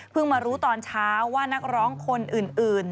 มารู้ตอนเช้าว่านักร้องคนอื่น